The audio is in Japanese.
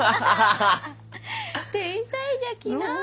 天才じゃきなあ。